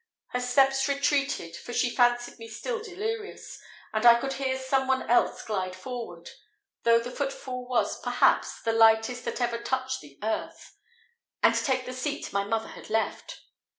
Her steps retreated, for she fancied me still delirious; and I could hear some one else glide forward though the footfall was, perhaps, the lightest that ever touched the earth and take the seat my mother had left.